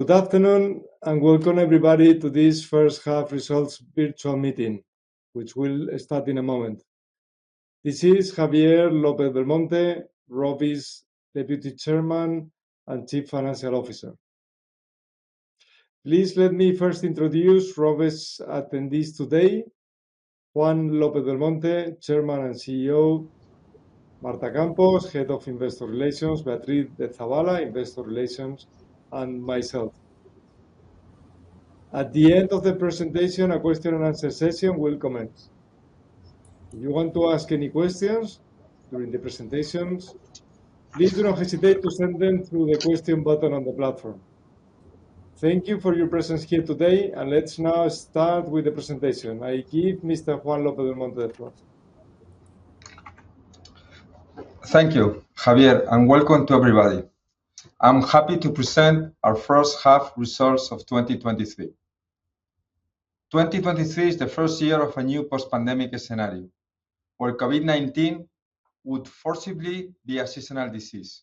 Good afternoon. Welcome everybody to this first half results virtual meeting, which will start in a moment. This is Javier López-Belmonte, ROVI's Deputy Chairman and Chief Financial Officer. Please let me first introduce ROVI's attendees today: Juan López-Belmonte, Chairman and CEO; Marta Campos, Head of Investor Relations; Beatriz de Zavala, Investor Relations, and myself. At the end of the presentation, a question and answer session will commence. If you want to ask any questions during the presentations, please do not hesitate to send them through the question button on the platform. Thank you for your presence here today, and let's now start with the presentation. I give Mr. Juan López-Belmonte the floor. Thank you, Javier. Welcome to everybody. I'm happy to present our first half results of 2023. 2023 is the first year of a new post-pandemic scenario, where COVID-19 would forcibly be a seasonal disease.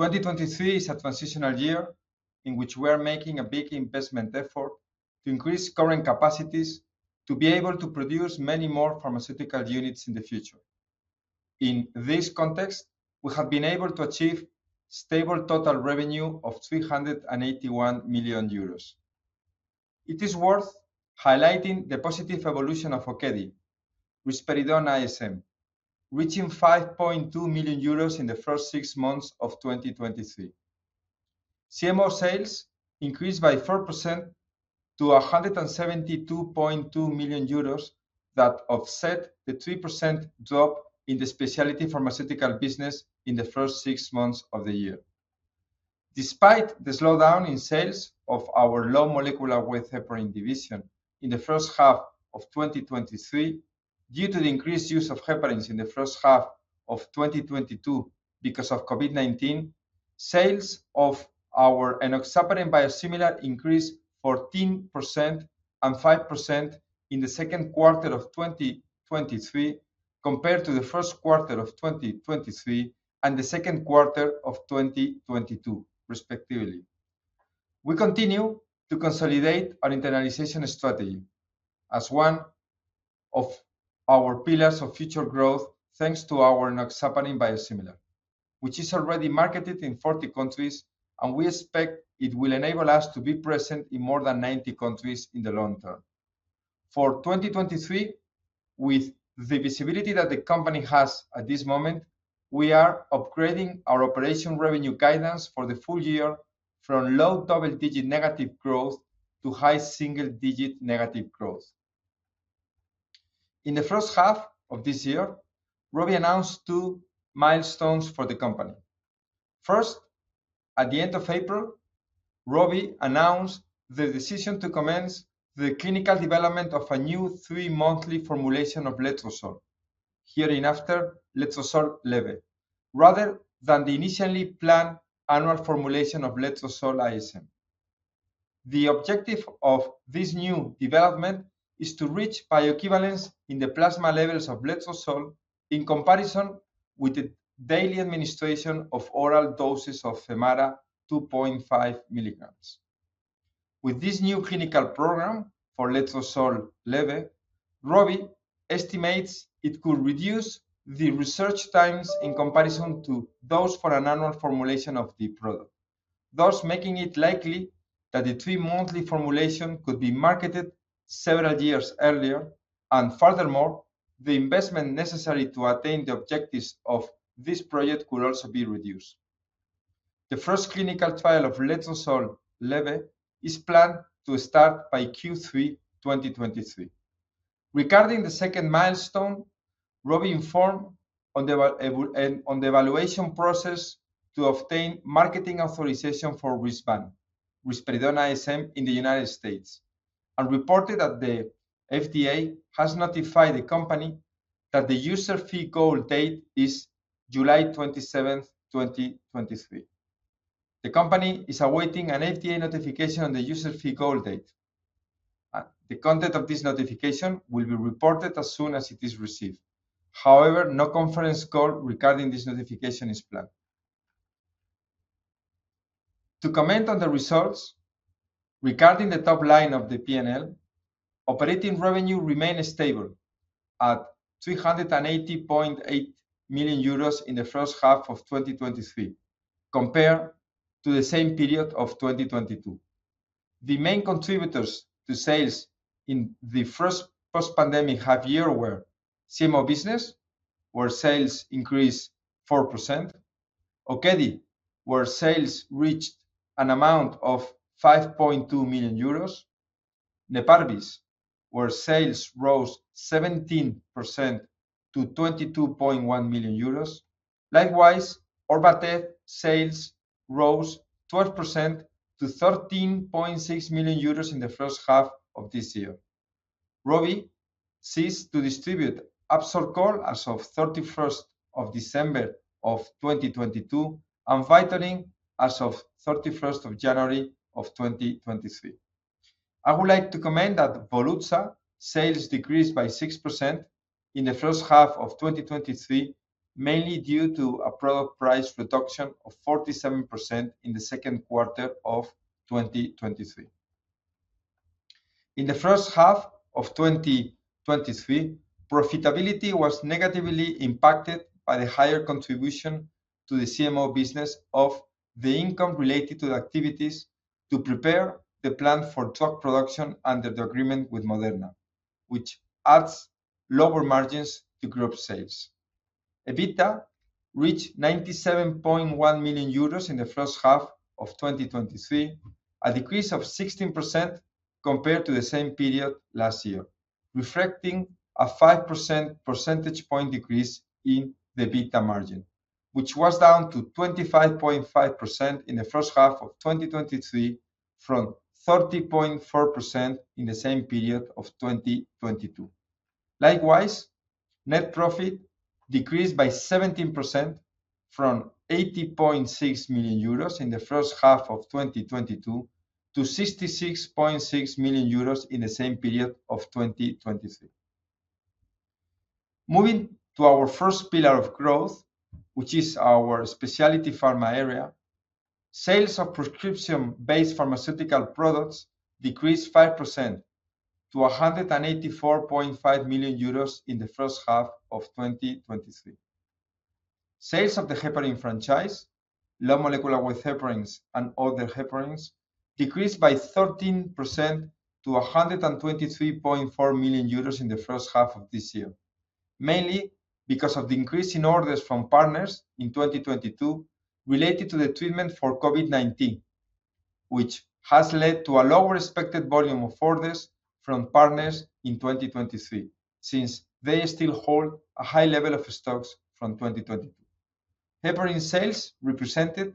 2023 is a transitional year in which we are making a big investment effort to increase current capacities to be able to produce many more pharmaceutical units in the future. In this context, we have been able to achieve stable total revenue of 381 million euros. It is worth highlighting the positive evolution of Okedi, Risperidone ISM, reaching 5.2 million euros in the first six months of 2023. CMO sales increased by 4% to 172.2 million euros, that offset the 3% drop in the specialty pharmaceutical business in the first six months of the year. Despite the slowdown in sales of our low molecular weight heparin division in the first half of 2023, due to the increased use of heparins in the first half of 2022 because of COVID-19, sales of our enoxaparin biosimilar increased 14% and 5% in the second quarter of 2023, compared to the first quarter of 2023 and the second quarter of 2022, respectively. We continue to consolidate our internalization strategy as one of our pillars of future growth, thanks to our enoxaparin biosimilar, which is already marketed in 40 countries, and we expect it will enable us to be present in more than 90 countries in the long term. For 2023, with the visibility that the company has at this moment, we are upgrading our operating revenue guidance for the full year from low double-digit negative growth to high single-digit negative growth. In the first half of this year, ROVI announced two milestones for the company. First, at the end of April, ROVI announced the decision to commence the clinical development of a new three-monthly formulation of letrozole, hereinafter Letrozole LEBE, rather than the initially planned annual formulation of Letrozole ISM. The objective of this new development is to reach bioequivalence in the plasma levels of letrozole in comparison with the daily administration of oral doses of Femara, 2.5 mg. With this new clinical program for Letrozole LEBE, ROVI estimates it could reduce the research times in comparison to those for an annual formulation of the product, thus making it likely that the three-monthly formulation could be marketed several years earlier, and furthermore, the investment necessary to attain the objectives of this project could also be reduced. The first clinical trial of Letrozole LEBE is planned to start by Q3 2023. Regarding the second milestone, ROVI informed on the evaluation process to obtain marketing authorization for Risvan, Risperidone ISM in the United States, and reported that the FDA has notified the company that the user fee goal date is July 27, 2023. The company is awaiting an FDA notification on the user fee goal date. The content of this notification will be reported as soon as it is received. No conference call regarding this notification is planned. To comment on the results, regarding the top line of the P&L, operating revenue remained stable at 380.8 million euros in the first half of 2023, compared to the same period of 2022. The main contributors to sales in the first post-pandemic half year were CMO business, where sales increased 4%, Okedi, where sales reached an amount of 5.2 million euros, Neparvis, where sales rose 17% to 22.1 million euros. Likewise, Orvatez sales rose 12% to 13.6 million euros in the first half of this year. ROVI ceased to distribute Absorcol as of thirty-first of December of twenty twenty-two, and Vytorin as of thirty-first of January of twenty twenty-three. I would like to comment that Volutsa sales decreased by 6% in the first half of twenty twenty-three, mainly due to a product price reduction of 47% in the second quarter of twenty twenty-three. In the first half of 2023, profitability was negatively impacted by the higher contribution to the CMO business of the income related to the activities to prepare the plant for drug production under the agreement with Moderna, which adds lower margins to group sales. EBITDA reached 97.1 million euros in the first half of 2023, a decrease of 16% compared to the same period last year, reflecting a 5 percentage point decrease in the EBITDA margin, which was down to 25.5% in the first half of 2023, from 30.4% in the same period of 2022. Likewise, net profit decreased by 17% from 80.6 million euros in the first half of 2022, to 66.6 million euros in the same period of 2023. Moving to our first pillar of growth, which is our specialty pharma area, sales of prescription-based pharmaceutical products decreased 5% to 184.5 million euros in the first half of 2023. Sales of the heparin franchise, low molecular weight heparins, and other heparins decreased by 13% to 123.4 million euros in the first half of this year. Mainly because of the increase in orders from partners in 2022 related to the treatment for COVID-19, which has led to a lower expected volume of orders from partners in 2023, since they still hold a high level of stocks from 2022. Heparin sales represented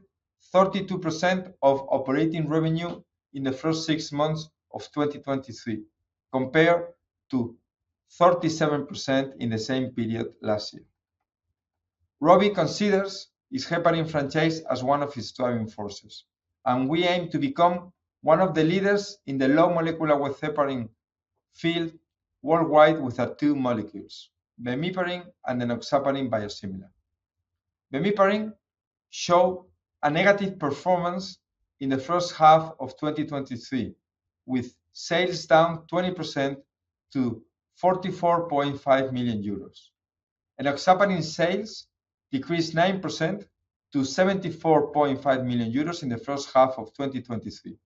32% of operating revenue in the first six months of 2023, compared to 37% in the same period last year. ROVI considers its heparin franchise as one of its driving forces, and we aim to become one of the leaders in the low molecular weight heparin field worldwide with our two molecules, bemiparin and enoxaparin biosimilar. Bemiparin showed a negative performance in the first half of 2023, with sales down 20% to 44.5 million euros. Enoxaparin sales decreased 9% to 74.5 million euros in the first half of 2023.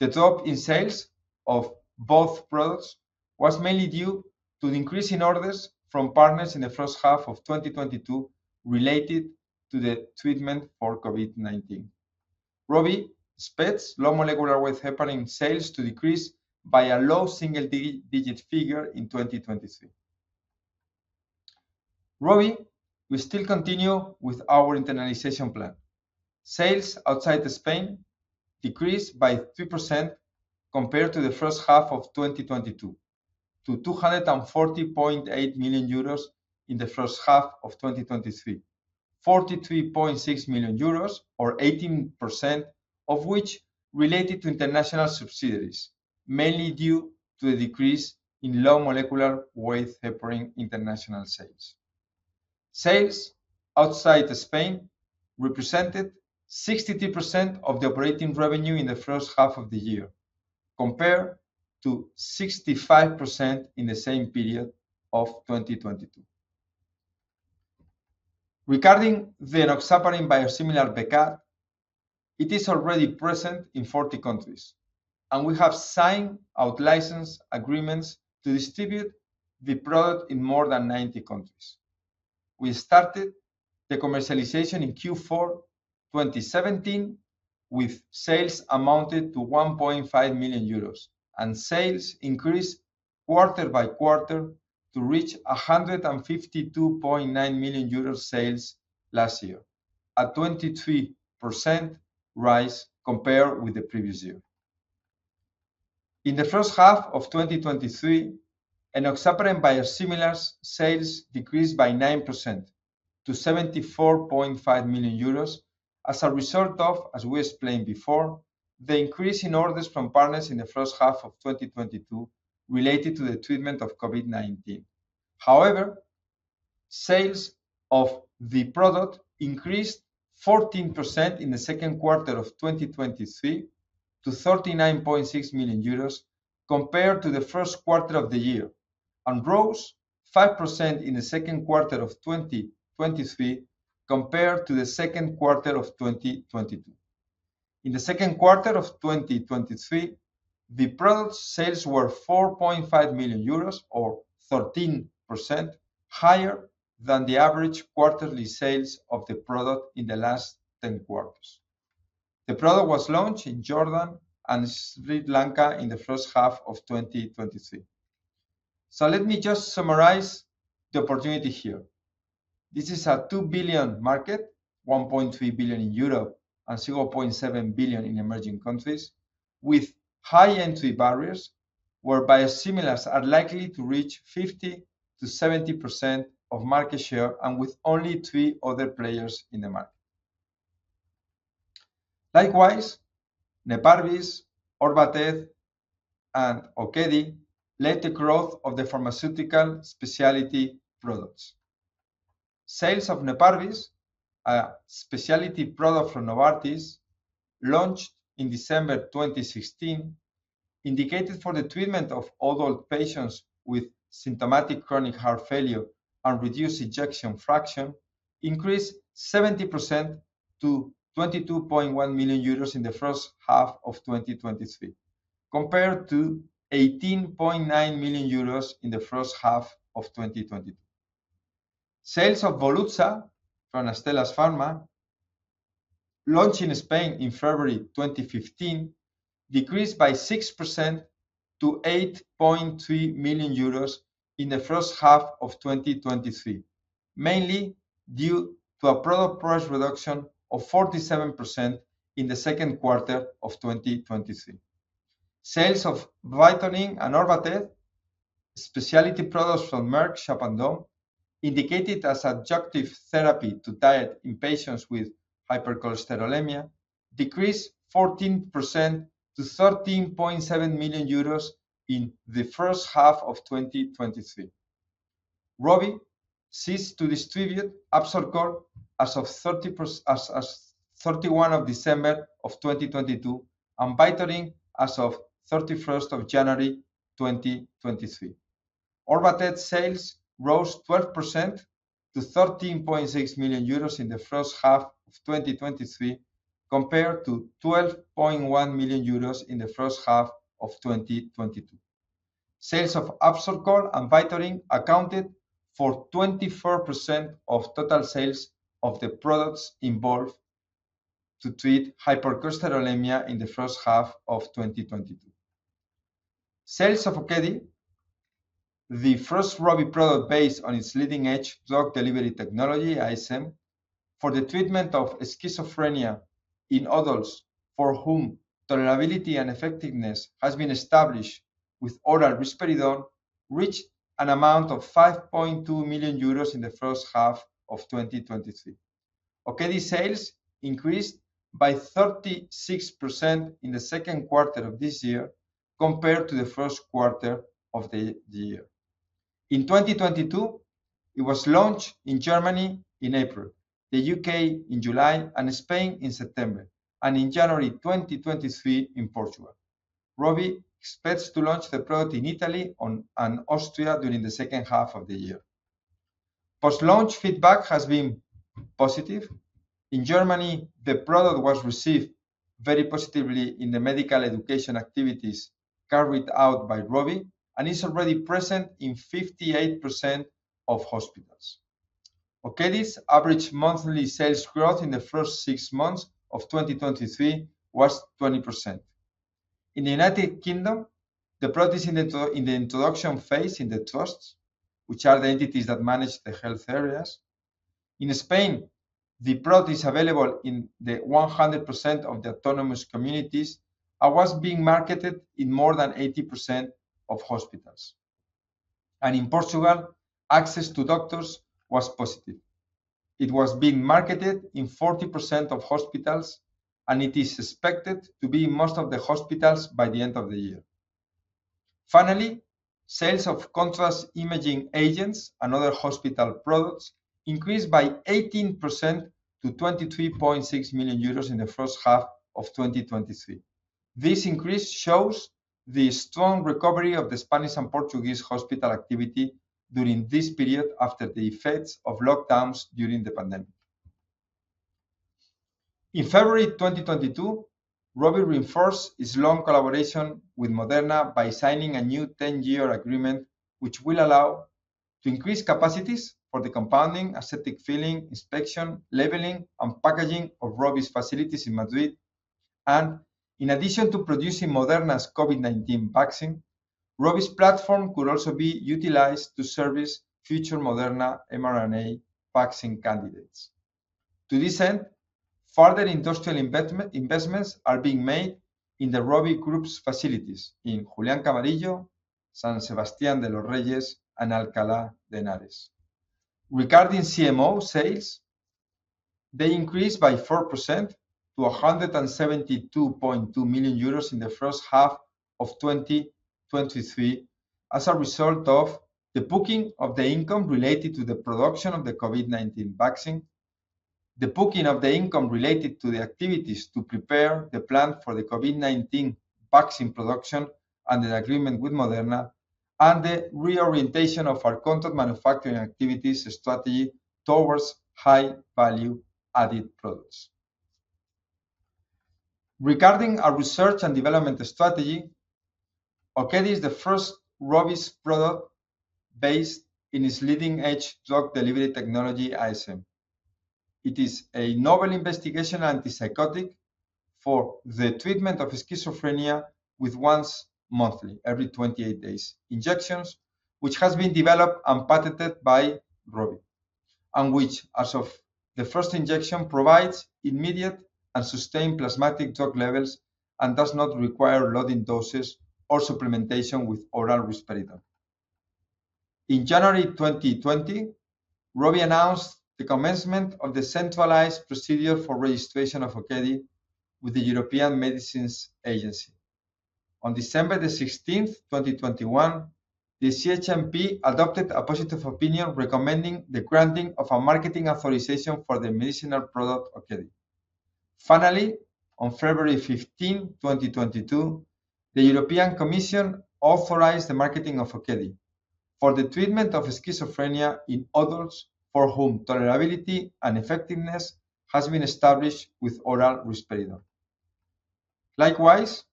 The drop in sales of both products was mainly due to the increase in orders from partners in the first half of 2022 related to the treatment for COVID-19. ROVI expects low molecular weight heparin sales to decrease by a low single-digit figure in 2023. ROVIwill still continue with our internalization plan. Sales outside Spain decreased by 2% compared to the first half of 2022, to 240.8 million euros in the first half of 2023. 43.6 million euros, or 18% of which related to international subsidiaries, mainly due to a decrease in low molecular weight heparin international sales. Sales outside Spain represented 62% of the operating revenue in the first half of the year, compared to 65% in the same period of 2022. Regarding the enoxaparin biosimilar Becat, it is already present in 40 countries, and we have signed out license agreements to distribute the product in more than 90 countries. We started the commercialization in Q4 2017, with sales amounted to 1.5 million euros, and sales increased quarter by quarter to reach 152.9 million euros sales last year, a 23% rise compared with the previous year. In the first half of 2023, enoxaparin biosimilars sales decreased by 9% to 74.5 million euros as a result of, as we explained before, the increase in orders from partners in the first half of 2022 related to the treatment of COVID-19. However, sales of the product increased 14% in the second quarter of 2023 to 39.6 million euros, compared to the first quarter of the year, and rose 5% in the second quarter of 2023 compared to the second quarter of 2022. In the second quarter of 2023, the product sales were 4.5 million euros, or 13% higher than the average quarterly sales of the product in the last 10 quarters. The product was launched in Jordan and Sri Lanka in the first half of 2023. Let me just summarize the opportunity here. This is a 2 billion market, 1.3 billion in Europe and 0.7 billion in emerging countries, with high entry barriers, where biosimilars are likely to reach 50%-70% of market share and with only three other players in the market likewise Neparvis, Orvatez, and Okedi led the growth of the pharmaceutical specialty products. Sales of Neparvis, a specialty product from Novartis, launched in December 2016, indicated for the treatment of adult patients with symptomatic chronic heart failure and reduced ejection fraction, increased 70% to 22.1 million euros in the first half of 2023, compared to 18.9 million euros in the first half of 2022. Sales of Volutsa from Astellas Pharma, launched in Spain in February 2015, decreased by 6% to 8.3 million euros in the first half of 2023, mainly due to a product price reduction of 47% in the second quarter of 2023. Sales of Vytorin and Orvatez, specialty products from Merck Sharp & Dohme, indicated as adjunctive therapy to diet in patients with hypercholesterolemia, decreased 14% to 13.7 million euros in the first half of 2023. ROVI ceased to distribute Absorcol as of 31st of December of 2022, and Vytorin as of 31st of January of 2023. Orvatez sales rose 12% to 13.6 million euros in the first half of 2023, compared to 12.1 million euros in the first half of 2022. Sales of Absorcol and Vytorin accounted for 24% of total sales of the products involved to treat hypercholesterolemia in the first half of 2022. Sales of Okedi, the first ROVI product based on its leading-edge drug delivery technology, ISM, for the treatment of schizophrenia in adults for whom tolerability and effectiveness has been established with oral risperidone, reached an amount of 5.2 million euros in the first half of 2023. Okedi sales increased by 36% in the second quarter of this year compared to the first quarter of the year. In 2022, it was launched in Germany in April, the U.K. in July, and Spain in September, and in January 2023 in Portugal. ROVI expects to launch the product in Italy and Austria during the second half of the year. Post-launch feedback has been positive. In Germany, the product was received very positively in the medical education activities carried out by ROVI and is already present in 58% of hospitals. Okedi's average monthly sales growth in the first six months of 2023 was 20%. In the United Kingdom, the product is in the introduction phase in the trusts, which are the entities that manage the health areas. In Spain, the product is available in the 100% of the autonomous communities and was being marketed in more than 80% of hospitals. In Portugal, access to doctors was positive. It was being marketed in 40% of hospitals, and it is expected to be in most of the hospitals by the end of the year. Finally, sales of contrast imaging agents and other hospital products increased by 18% to 23.6 million euros in the first half of 2023. This increase shows the strong recovery of the Spanish and Portuguese hospital activity during this period after the effects of lockdowns during the pandemic. In February 2022, ROVI reinforced its long collaboration with Moderna by signing a new 10-year agreement, which will allow to increase capacities for the compounding, aseptic filling, inspection, labeling, and packaging of ROVI's facilities in Madrid. In addition to producing Moderna's COVID-19 vaccine, ROVI's platform could also be utilized to service future Moderna mRNA vaccine candidates. To this end, further industrial investments are being made in the ROVI Group's facilities in Julian Camarillo, San Sebastian de Los Reyes, and Alcalá de Henares. Regarding CMO sales, they increased by 4% to 172.2 million euros in the first half of 2023 as a result of the booking of the income related to the production of the COVID-19 vaccine, the booking of the income related to the activities to prepare the plant for the COVID-19 vaccine production and the agreement with Moderna, and the reorientation of our contract manufacturing activities strategy towards high-value-added products. Regarding our research and development strategy, Okedi is the first ROVI's product based in its leading-edge drug delivery technology, ISM. It is a novel investigational antipsychotic for the treatment of schizophrenia with once monthly, every 28 days, injections, which has been developed and patented by ROVI, and which, as of the first injection, provides immediate and sustained plasma levels and does not require loading doses or supplementation with oral risperidone. In January 2020, ROVI announced the commencement of the centralized procedure for registration of Okedi with the European Medicines Agency. On December 16, 2021, the CHMP adopted a positive opinion recommending the granting of a marketing authorization for the medicinal product Okedi. Finally, on February 15, 2022, the European Commission authorized the marketing of Okedi for the treatment of schizophrenia in adults for whom tolerability and effectiveness has been established with oral risperidone. Likewise,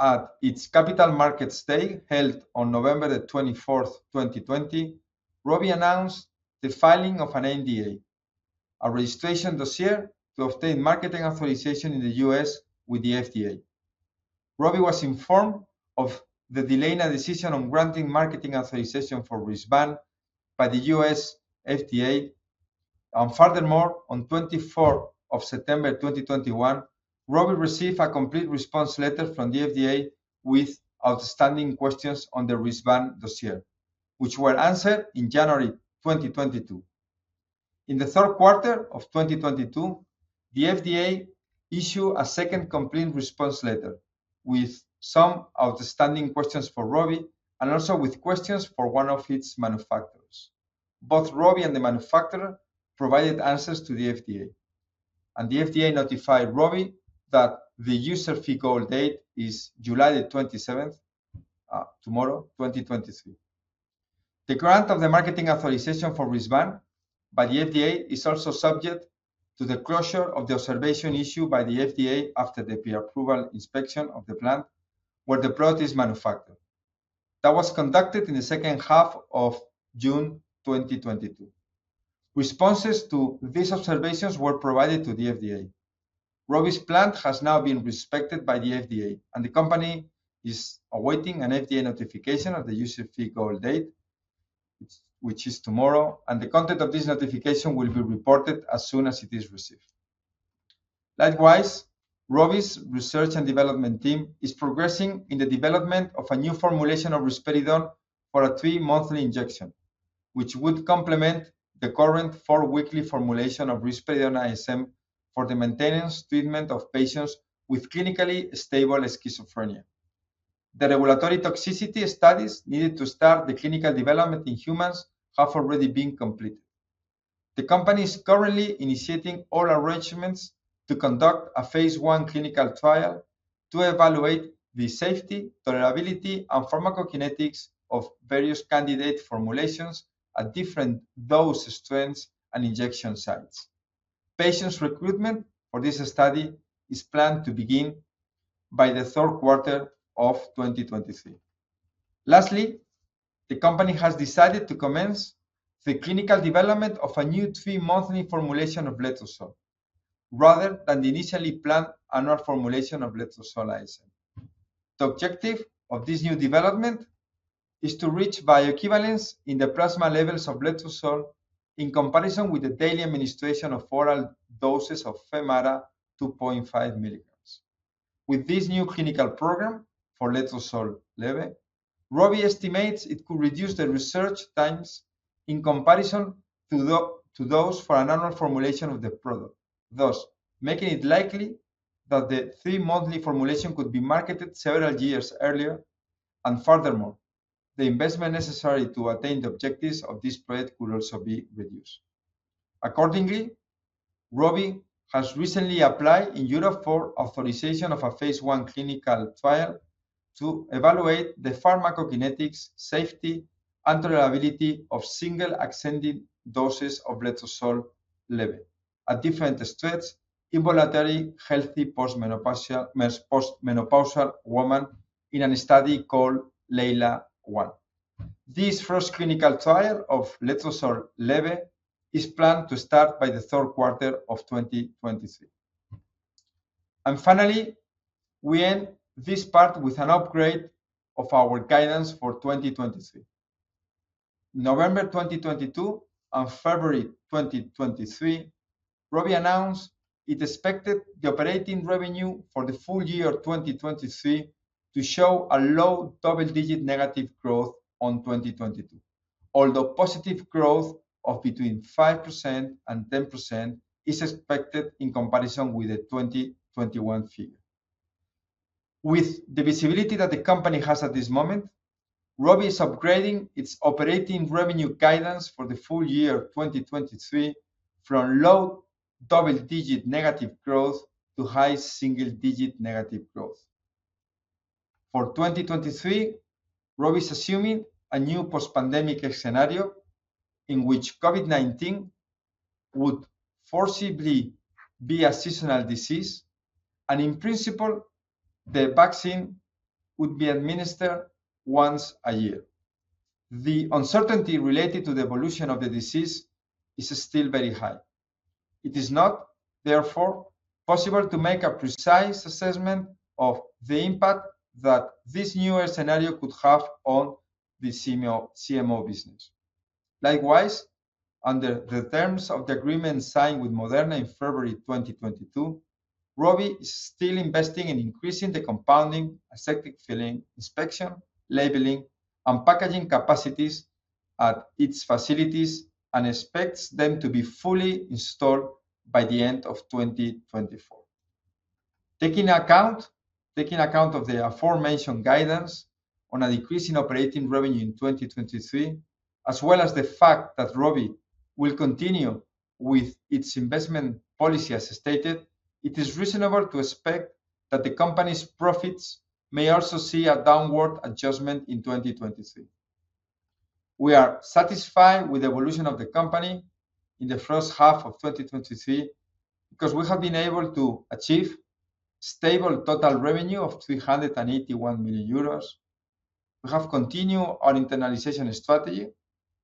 at its Capital Markets Day, held on November 24, 2020, ROVI announced the filing of an NDA, a registration dossier to obtain marketing authorization in the U.S. with the FDA. ROVI was informed of the delay in a decision on granting marketing authorization for Risvan by the U.S. FDA. Furthermore, on September 24, 2021, ROVI received a complete response letter from the FDA with outstanding questions on the Risvan dossier, which were answered in January 2022. In Q3 2022, the FDA issued a second complete response letter with some outstanding questions for ROVI and also with questions for one of its manufacturers. Both ROVI and the manufacturer provided answers to the FDA, and the FDA notified ROVI that the user fee goal date is July 27, tomorrow, 2023. The grant of the marketing authorization for Risvan by the FDA is also subject to the closure of the observation issued by the FDA after the pre-approval inspection of the plant where the product is manufactured. That was conducted in the second half of June 2022. Responses to these observations were provided to the FDA. ROVI's plant has now been respected by the FDA, and the company is awaiting an FDA notification of the user fee goal date, which is tomorrow, and the content of this notification will be reported as soon as it is received. Likewise, ROVI's research and development team is progressing in the development of a new formulation of risperidone for a three-monthly injection, which would complement the current four-weekly formulation of Risperidone ISM for the maintenance treatment of patients with clinically stable schizophrenia. The regulatory toxicity studies needed to start the clinical development in humans have already been completed. The company is currently initiating all arrangements to conduct a phase I clinical trial to evaluate the safety, tolerability, and pharmacokinetics of various candidate formulations at different dose strengths and injection sites. Patients recruitment for this study is planned to begin by the third quarter of 2023. Lastly, the company has decided to commence the clinical development of a new 3-monthly formulation of letrozole, rather than the initially planned annual formulation of Letrozole ISM. The objective of this new development is to reach bioequivalence in the plasma levels of letrozole in comparison with the daily administration of oral doses of Femara, 2.5 mg. With this new clinical program for Letrozole LEBE, ROVI estimates it could reduce the research times in comparison to those for an annual formulation of the product, thus making it likely that the three-monthly formulation could be marketed several years earlier. Furthermore, the investment necessary to attain the objectives of this project could also be reduced. Accordingly, ROVI has recently applied in Europe for authorization of a phase I clinical trial to evaluate the pharmacokinetics, safety, and tolerability of single ascending doses of Letrozole LEBE at different strengths in voluntary, healthy, post-menopausal women in a study called LEILA-1. This first clinical trial of Letrozole LEBE is planned to start by the third quarter of 2023. Finally, we end this part with an upgrade of our guidance for 2023. November 2022 and February 2023, ROVI announced it expected the operating revenue for the full year 2023 to show a low double-digit negative growth on 2022, although positive growth of between 5% and 10% is expected in comparison with the 2021 figure. With the visibility that the company has at this moment, ROVI is upgrading its operating revenue guidance for the full year 2023 from low double-digit negative growth to high single-digit negative growth. For 2023, ROVI is assuming a new post-pandemic scenario in which COVID-19 would forcibly be a seasonal disease, and in principle, the vaccine would be administered once a year. The uncertainty related to the evolution of the disease is still very high. It is not, therefore, possible to make a precise assessment of the impact that this new scenario could have on the CMO business. Likewise, under the terms of the agreement signed with Moderna in February 2022, ROVI is still investing in increasing the compounding, aseptic filling, inspection, labeling, and packaging capacities at its facilities, and expects them to be fully installed by the end of 2024. Taking account of the aforementioned guidance on a decrease in operating revenue in 2023, as well as the fact that ROVI will continue with its investment policy as stated, it is reasonable to expect that the company's profits may also see a downward adjustment in 2023. We are satisfied with the evolution of the company in the first half of 2023, because we have been able to achieve stable total revenue of 381 million euros. We have continued our internalization strategy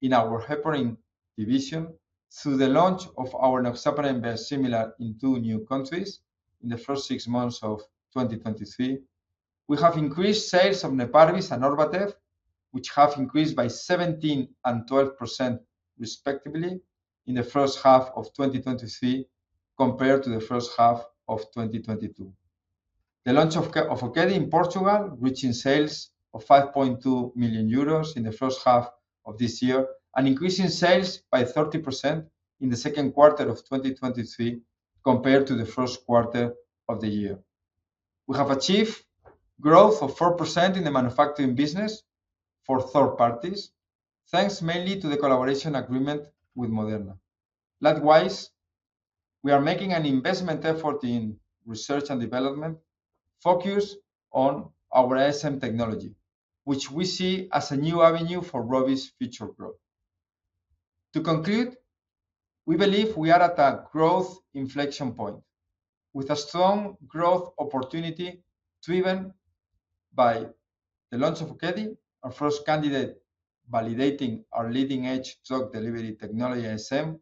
in our heparin division through the launch of our enoxaparin biosimilar in 2 new countries in the first six months of 2023. We have increased sales of Neparvis and Orvatez, which have increased by 17% and 12%, respectively, in the first half of 2023 compared to the first half of 2022. The launch of Okedi in Portugal, reaching sales of 5.2 million euros in the first half of this year, and increasing sales by 30% in the second quarter of 2023 compared to the first quarter of the year. We have achieved growth of 4% in the manufacturing business for third parties, thanks mainly to the collaboration agreement with Moderna. Likewise, we are making an investment effort in research and development focused on our ISM technology, which we see as a new avenue for ROVI's future growth. To conclude, we believe we are at a growth inflection point, with a strong growth opportunity driven by the launch of Okedi, our first candidate, validating our leading-edge drug delivery technology, ISM.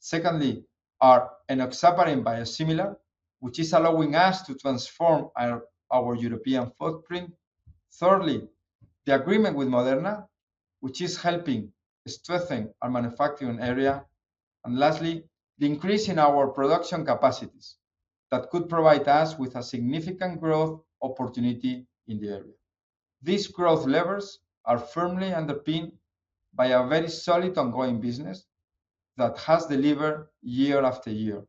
Secondly, our enoxaparin biosimilar, which is allowing us to transform our European footprint. Thirdly, the agreement with Moderna, which is helping strengthen our manufacturing area. Lastly, the increase in our production capacities that could provide us with a significant growth opportunity in the area. These growth levers are firmly underpinned by a very solid ongoing business that has delivered year after year,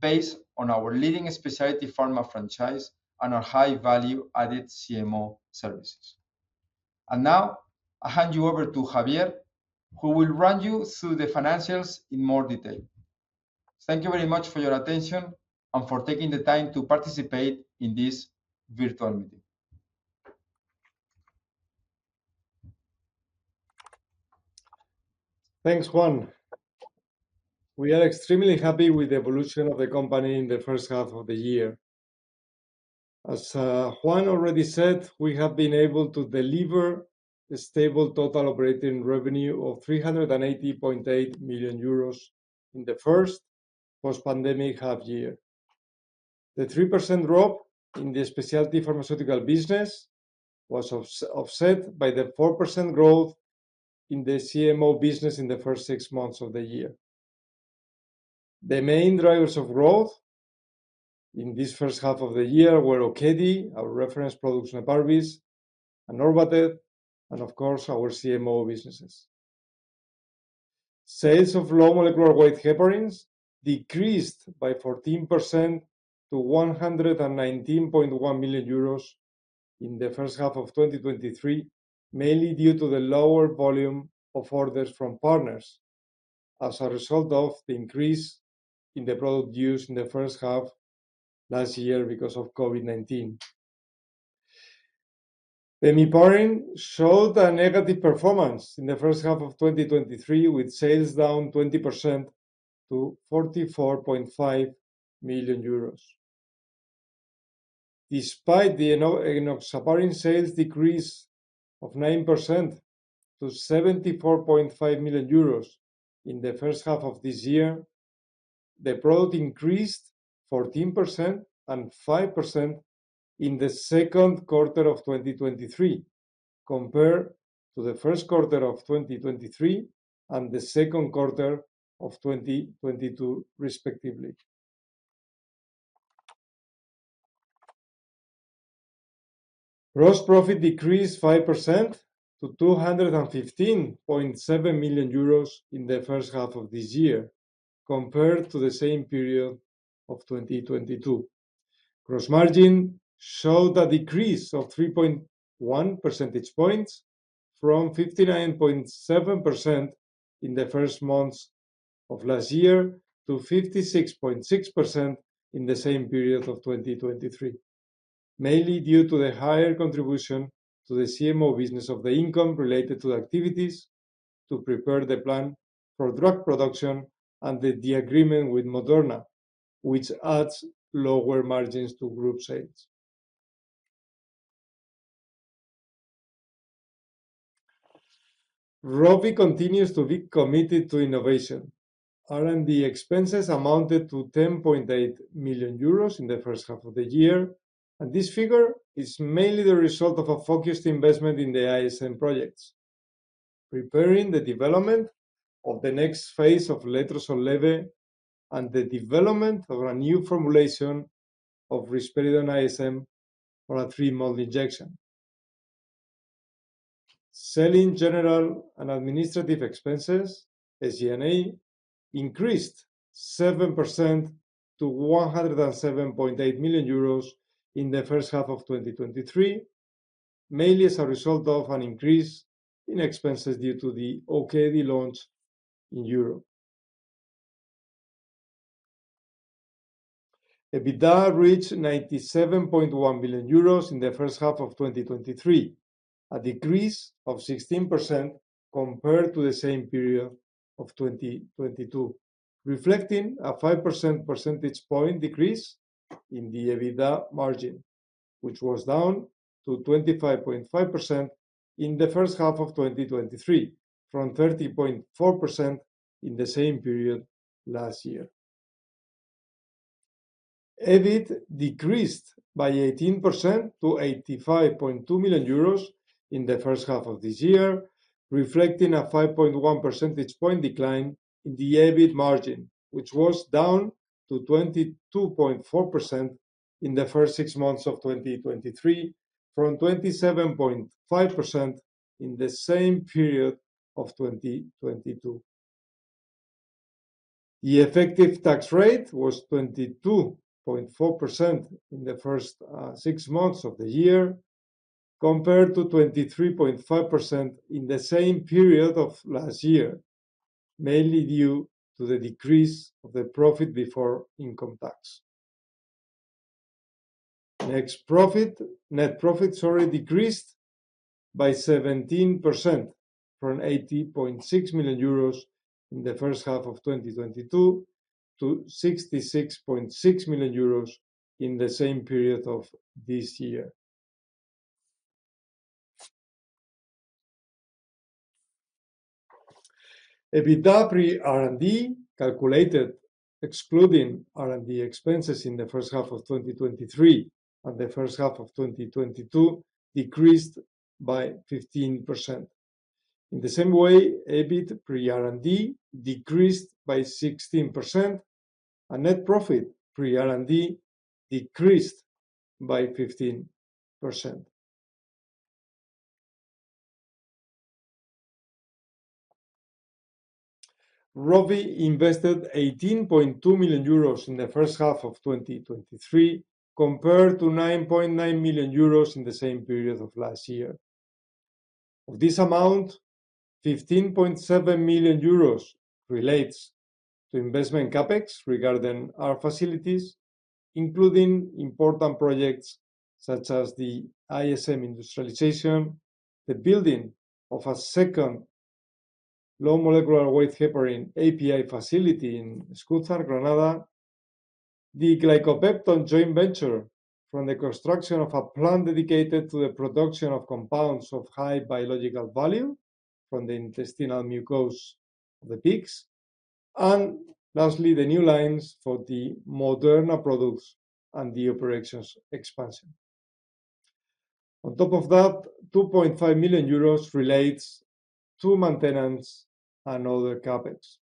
based on our leading specialty pharma franchise and our high-value-added CMO services. Now, I hand you over to Javier, who will run you through the financials in more detail. Thank you very much for your attention and for taking the time to participate in this virtual meeting. Thanks, Juan. We are extremely happy with the evolution of the company in the first half of the year. As Juan already said, we have been able to deliver a stable total operating revenue of 380.8 million euros in the first post-pandemic half year. The 3% drop in the specialty pharmaceutical business was offset by the 4% growth in the CMO business in the first six months of the year. The main drivers of growth in this first half of the year were Okedi, our reference products, Neparvis and Orvatez, and of course, our CMO businesses. Sales of low molecular weight heparins decreased by 14% to 119.1 million euros in the first half of 2023, mainly due to the lower volume of orders from partners as a result of the increase in the product use in the first half last year because of COVID-19. Bemiparin showed a negative performance in the first half of 2023, with sales down 20% to 44.5 million euros. Despite the enoxaparin sales decrease of 9% to 74.5 million euros in the first half of this year, the product increased 14% and 5% in Q2 2023, compared to the first quarter of 2023 and the second quarter of 2022, respectively. Gross profit decreased 5% to 215.7 million euros in the first half of this year, compared to the same period of 2022. Gross margin showed a decrease of 3.1 percentage points, from 59.7% in the first months of last year to 56.6% in the same period of 2023, mainly due to the higher contribution to the CMO business of the income related to the activities to prepare the plan for drug production and the agreement with Moderna, which adds lower margins to group sales. ROVI continues to be committed to innovation. R&D expenses amounted to 10.8 million euros in the first half of the year. This figure is mainly the result of a focused investment in the ISM projects, preparing the development of the next phase of Letrozole LEBE and the development of a new formulation of Risperidone ISM for a three-month injection. Selling, general, and administrative expenses, SG&A, increased 7% to 107.8 million euros in the first half of 2023, mainly as a result of an increase in expenses due to the Okedi launch in Europe. EBITDA reached 97.1 million euros in the first half of 2023, a decrease of 16% compared to the same period of 2022, reflecting a 5% percentage point decrease in the EBITDA margin, which was down to 25.5% in the first half of 2023, from 30.4% in the same period last year. EBIT decreased by 18% to 85.2 million euros in the first half of this year, reflecting a 5.1 percentage point decline in the EBIT margin, which was down to 22.4% in the first six months of 2023, from 27.5% in the same period of 2022. The effective tax rate was 22.4% in the first six months of the year, compared to 23.5% in the same period of last year, mainly due to the decrease of the profit before income tax. Next, profit. Net profit already decreased by 17% from 80.6 million euros in the first half of 2022 to 66.6 million euros in the same period of this year. EBITDA pre-R&D, calculated excluding R&D expenses in the first half of 2023 and the first half of 2022, decreased by 15%. In the same way, EBIT pre-R&D decreased by 16%, and net profit pre-R&D decreased by 15%. ROVI invested 18.2 million euros in the first half of 2023, compared to 9.9 million euros in the same period of last year. Of this amount, 15.7 million euros relates to investment CapEx regarding our facilities, including important projects such as the ISM industrialization, the building of a second low molecular weight heparin API facility in Escúzar, Granada, the glycopeptide joint venture from the construction of a plant dedicated to the production of compounds of high biological value from the intestinal mucosa of the pigs, and lastly, the new lines for the Moderna products and the operations expansion. On top of that, 2.5 million euros relates to maintenance and other CapEx.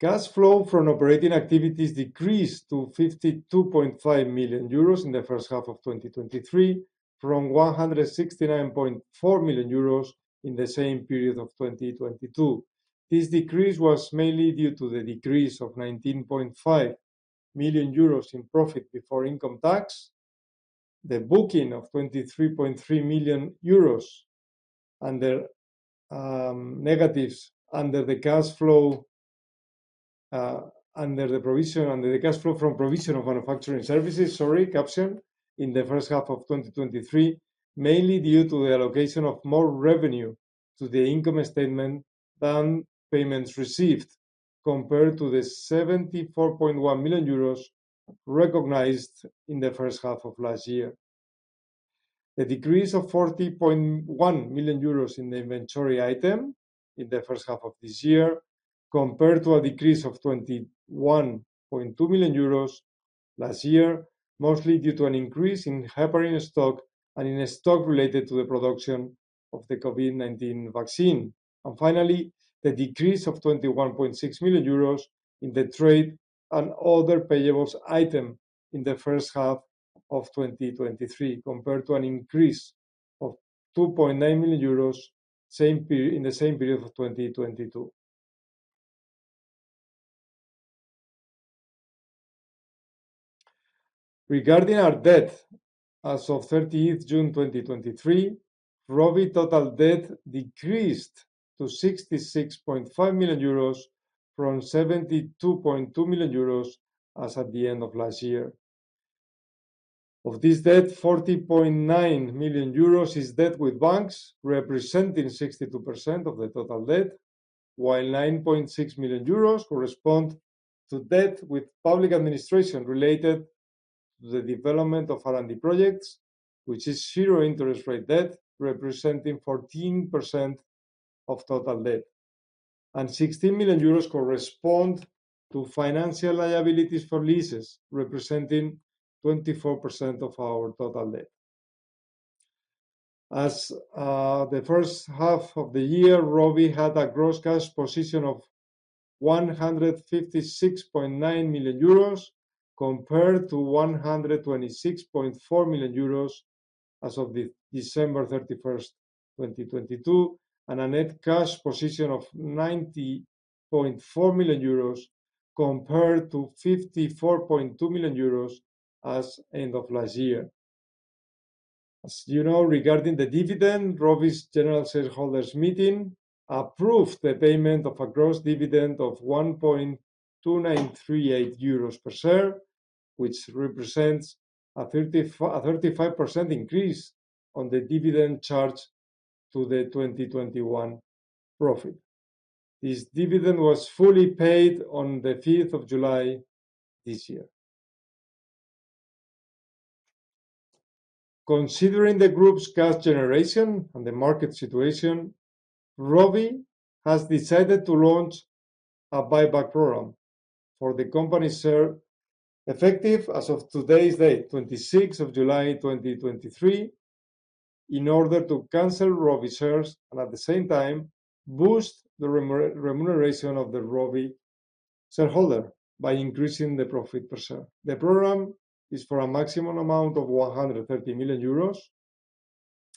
Cash flow from operating activities decreased to 52.5 million euros in the first half of 2023, from 169.4 million euros in the same period of 2022. This decrease was mainly due to the decrease of 19.5 million euros in profit before income tax, the booking of 23.3 million euros under negatives under the cash flow, under the provision, under the cash flow from provision of manufacturing services, sorry, captured in the first half of 2023, mainly due to the allocation of more revenue to the income statement than payments received, compared to 74.1 million euros recognized in the first half of last year. The decrease of 40.1 million euros in the inventory item in the first half of this year, compared to a decrease of 21.2 million euros last year, mostly due to an increase in heparin stock and in a stock related to the production of the COVID-19 vaccine. Finally, the decrease of 21.6 million euros in the trade and other payables item in the first half of 2023, compared to an increase of 2.9 million euros, same period, in the same period of 2022. Regarding our debt, as of 30th June, 2023, ROVI total debt decreased to 66.5 million euros from 72.2 million euros as at the end of last year. Of this debt, 40.9 million euros is debt with banks, representing 62% of the total debt, while 9.6 million euros correspond to debt with public administration related to the development of R&D projects, which is zero interest rate debt, representing 14% of total debt. 16 million euros correspond to financial liabilities for leases, representing 24% of our total debt. As the first half of the year, ROVI had a gross cash position of 156.9 million euros, compared to 126.4 million euros as of December 31st, 2022, and a net cash position of 90.4 million euros, compared to 54.2 million euros as end of last year. As you know, regarding the dividend, ROVI's general shareholders' meeting approved the payment of a gross dividend of 1.2938 euros per share, which represents a 35% increase on the dividend charged to the 2021 profit. This dividend was fully paid on the 5th of July this year. Considering the group's cash generation and the market situation, ROVI has decided to launch a buyback program for the company's share, effective as of today's date, 26th of July, 2023, in order to cancel ROVI shares, and at the same time, boost the remuneration of the ROVI shareholder by increasing the profit per share. The program is for a maximum amount of 130 million euros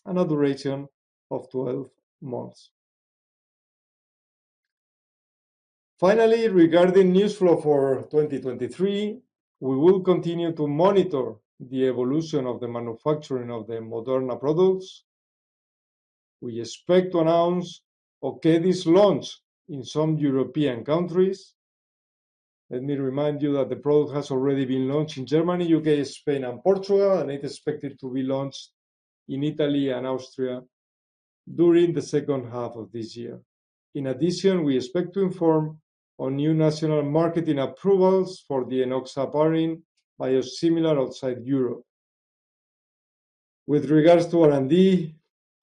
and a duration of 12 months. Finally, regarding news flow for 2023, we will continue to monitor the evolution of the manufacturing of the Moderna products. We expect to announce Okedi's launch in some European countries. Let me remind you that the product has already been launched in Germany, U.K., Spain, and Portugal, and it's expected to be launched in Italy and Austria during the second half of this year. In addition, we expect to inform on new national marketing approvals for the enoxaparin biosimilar outside Europe. With regards to R&D,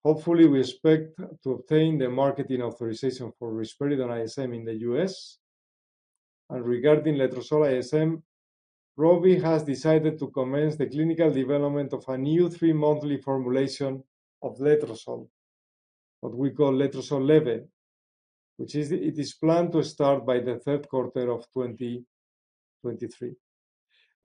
hopefully, we expect to obtain the marketing authorization for Risperidone ISM in the U.S. Regarding Letrozole ISM, ROVI has decided to commence the clinical development of a new three-monthly formulation of letrozole, what we call Letrozole LEBE, it is planned to start by the third quarter of 2023.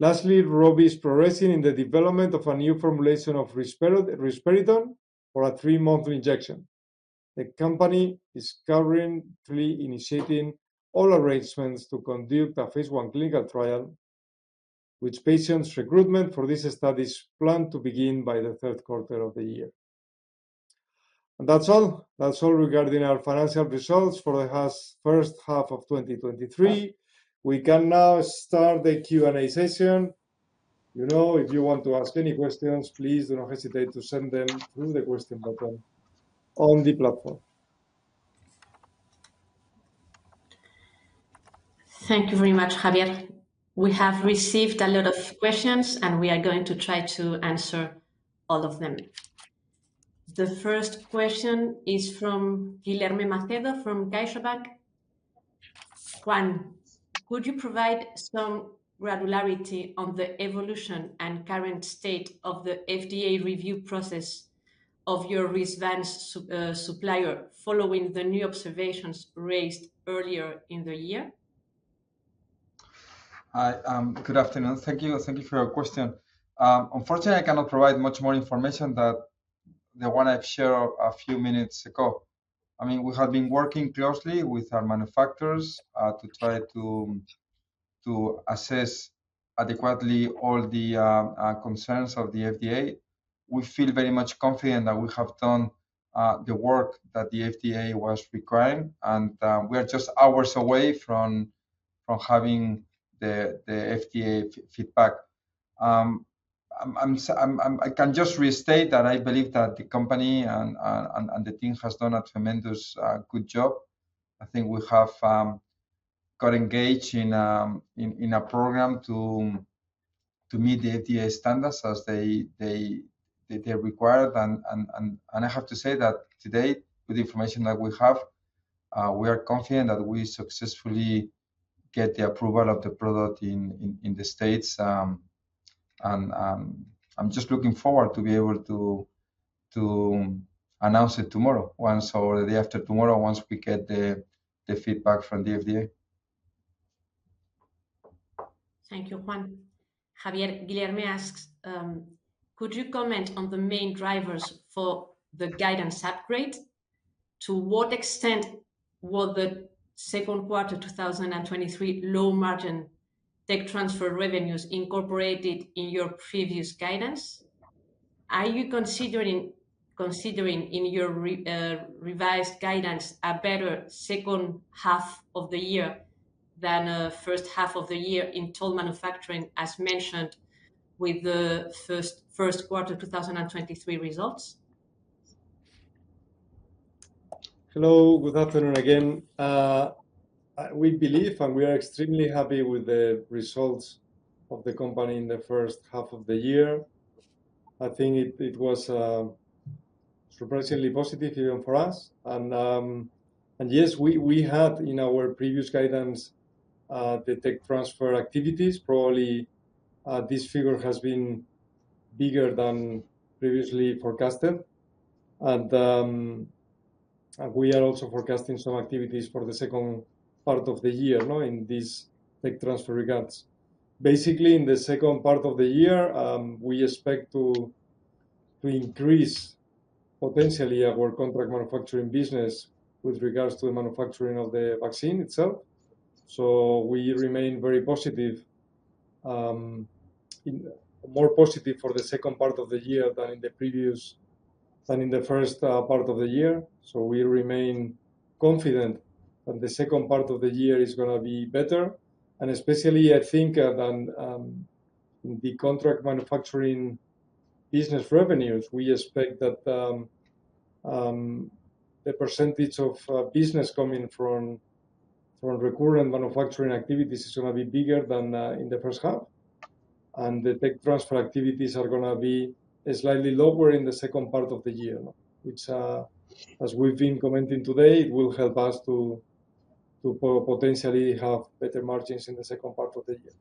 Lastly, ROVI is progressing in the development of a new formulation of Risperidone for a three-monthly injection. The company is currently initiating all arrangements to conduct a phase I clinical trial, which patients' recruitment for this study is planned to begin by the third quarter of the year. That's all. That's all regarding our financial results for the first half of 2023. We can now start the Q&A session. You know, if you want to ask any questions, please do not hesitate to send them through the question button on the platform. Thank you very much, Javier. We have received a lot of questions. We are going to try to answer all of them. The first question is from Guilherme Macedo, from CaixaBank: "Juan, could you provide some granularity on the evolution and current state of the FDA review process of your Risvan supplier, following the new observations raised earlier in the year"? Hi, good afternoon. Thank you, and thank you for your question. Unfortunately, I cannot provide much more information than the one I've shared a few minutes ago. I mean, we have been working closely with our manufacturers to try to assess adequately all the concerns of the FDA. We feel very much confident that we have done the work that the FDA was requiring, and we are just hours away from having the FDA feedback. I'm sa- I'm... I can just restate that I believe that the company and the team has done a tremendous good job. I think we have got engaged in a program to meet the FDA standards as they required. I have to say that today, with the information that we have, we are confident that we successfully get the approval of the product in the States. I'm just looking forward to be able to announce it tomorrow, once or the day after tomorrow, once we get the feedback from the FDA. Thank you, Juan. Javier, Guilherme asks: Could you comment on the main drivers for the guidance upgrade? To what extent were the second quarter 2023 low margin tech transfer revenues incorporated in your previous guidance? Are you considering in your revised guidance, a better second half of the year than first half of the year in total manufacturing, as mentioned with the first quarter 2023 results? Hello, good afternoon again. We believe and we are extremely happy with the results of the company in the first half of the year. I think it was surprisingly positive even for us. Yes, we had in our previous guidance the tech transfer activities. Probably this figure has been bigger than previously forecasted, and we are also forecasting some activities for the second part of the year, you know, in these tech transfer regards. Basically, in the second part of the year, we expect to increase potentially our contract manufacturing business with regards to the manufacturing of the vaccine itself. We remain very positive, more positive for the second part of the year than in the previous, than in the first part of the year. We remain confident that the second part of the year is gonna be better, and especially I think, the contract manufacturing business revenues, we expect that the percentage of business coming from recurrent manufacturing activities is gonna be bigger than in the first half. The tech transfer activities are gonna be slightly lower in the second part of the year, which, as we've been commenting today, it will help us to potentially have better margins in the second part of the year.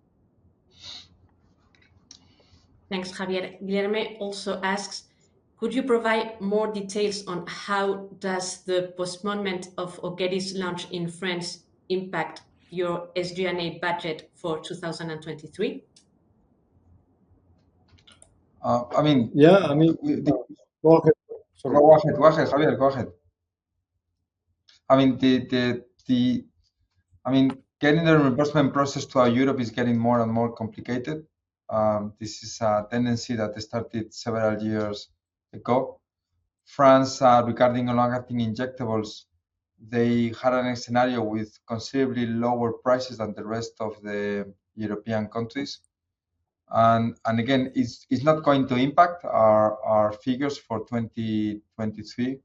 Thanks, Javier. Guilherme also asks: could you provide more details on how does the postponement of Okedi's launch in France impact your SG&A budget for 2023? Uh, I mean- Yeah, I mean. Sorry. Go ahead. Go ahead, Javier. Go ahead. I mean, the... I mean, getting the reimbursement process throughout Europe is getting more and more complicated. This is a tendency that started several years ago. France, regarding long-acting injectables, they had a scenario with considerably lower prices than the rest of the European countries. Again, it's not going to impact our figures for 2023,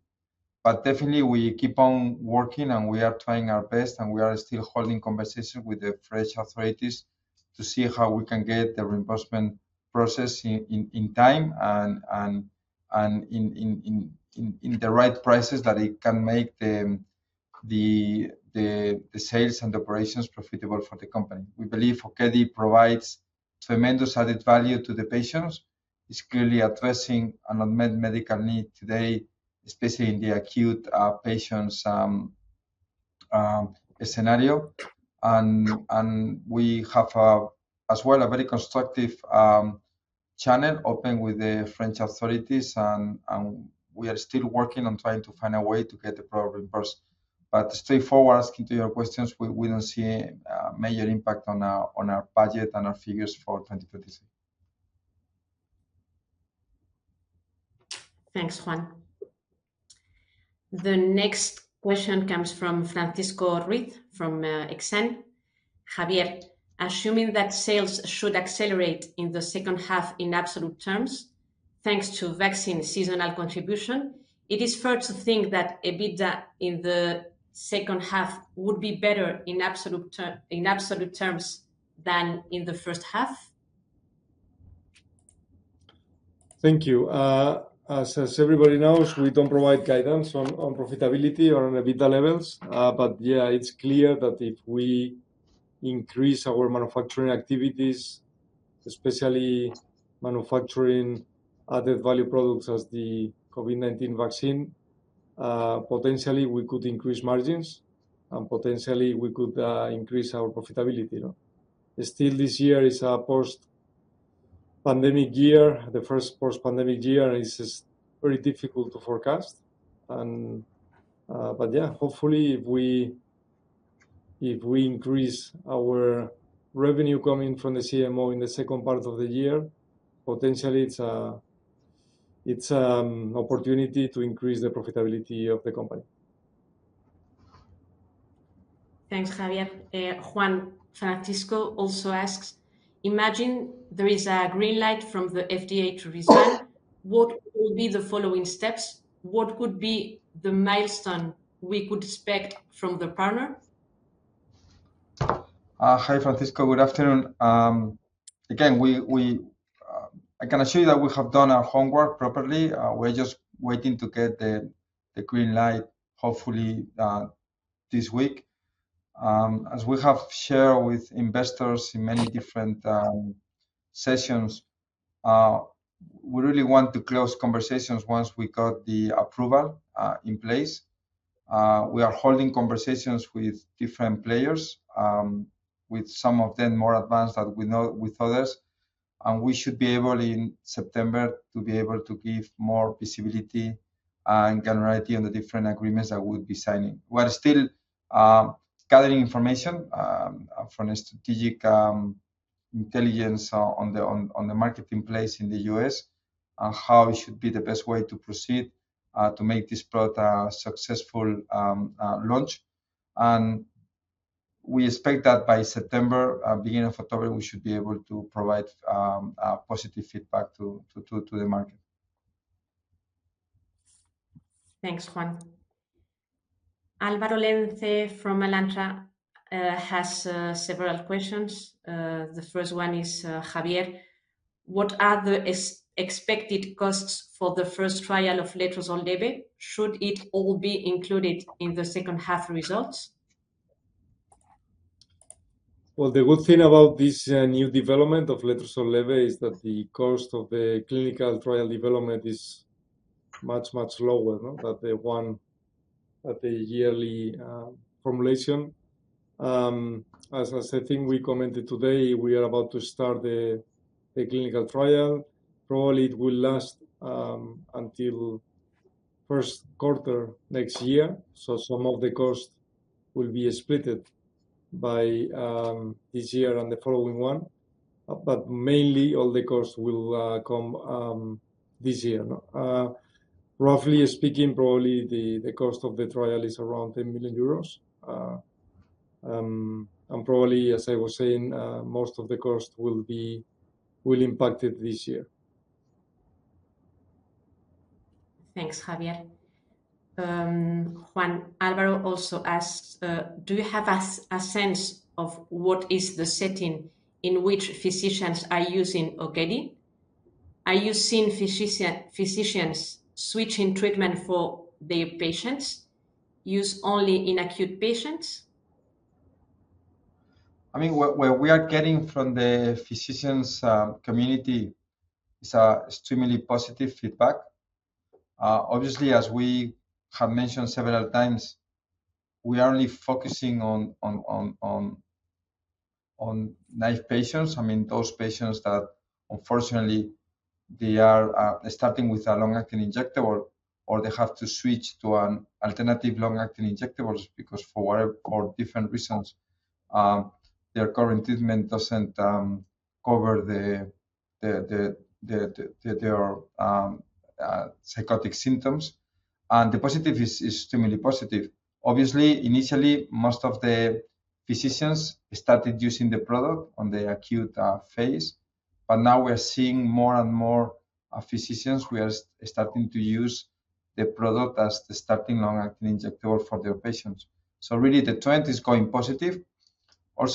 but definitely we keep on working, and we are trying our best, and we are still holding conversations with the French authorities to see how we can get the reimbursement process in time and in the right prices that it can make the sales and operations profitable for the company. We believe Okedi provides tremendous added value to the patients. It's clearly addressing an unmet medical need today, especially in the acute patients scenario. We have as well a very constructive channel open with the French authorities, we are still working on trying to find a way to get the product reimbursed. Straightforward answering to your questions, we don't see a major impact on our budget and our figures for 2023. Thanks, Juan. The next question comes from Francisco Ruiz from Exane. Javier, assuming that sales should accelerate in the second half in absolute terms, thanks to vaccine seasonal contribution, it is fair to think that EBITDA in the second half would be better in absolute terms than in the first half? Thank you. As everybody knows, we don't provide guidance on profitability or on EBITDA levels. Yeah, it's clear that if we increase our manufacturing activities, especially manufacturing other value products as the COVID-19 vaccine, potentially we could increase margins, and potentially we could increase our profitability, you know? Still, this year is a post-pandemic year. The first post-pandemic year is very difficult to forecast. Yeah, hopefully, if we increase our revenue coming from the CMO in the second part of the year, potentially it's opportunity to increase the profitability of the company. Thanks, Javier. Juan, Francisco also asks: imagine there is a green light from the FDA to proceed, what will be the following steps? What would be the milestone we could expect from the partner? Hi, Francisco. Good afternoon. Again, I can assure you that we have done our homework properly. We're just waiting to get the green light, hopefully, this week. As we have shared with investors in many different sessions, we really want to close conversations once we got the approval in place. We are holding conversations with different players, with some of them more advanced than we know with others, and we should be able, in September, to be able to give more visibility and clarity on the different agreements that we'll be signing. We are still gathering information from a strategic intelligence on the market in place in the US, and how it should be the best way to proceed to make this product a successful launch. we expect that by September, beginning of October, we should be able to provide a positive feedback to the market. Thanks, Juan. Álvaro Lence from Alantra has several questions. The first one is, Javier, what are the expected costs for the first trial of Letrozole LEBE? Should it all be included in the second half results? Well, the good thing about this new development of Letrozole LEBE is that the cost of the clinical trial development is much lower, no? As I think we commented today, we are about to start the clinical trial. Probably, it will last until first quarter next year, so some of the costs will be splitted by this year and the following one. Mainly, all the costs will come this year, no? Roughly speaking, probably the cost of the trial is around 10 million euros. Probably, as I was saying, most of the cost will impact it this year. Thanks, Javier. Juan, Álvaro also asks, Do you have a sense of what is the setting in which physicians are using Okedi? Are you seeing physicians switching treatment for their patients use only in acute patients? I mean, what we are getting from the physicians' community is extremely positive feedback. Obviously, as we have mentioned several times, we are only focusing on naive patients. I mean, those patients that unfortunately they are starting with a long-acting injectable, or they have to switch to an alternative long-acting injectables because for whatever or different reasons, their current treatment doesn't cover their psychotic symptoms. The positive is extremely positive. Obviously, initially, most of the physicians started using the product on the acute phase, but now we're seeing more and more physicians who are starting to use the product as the starting long-acting injectable for their patients. Really, the trend is going positive.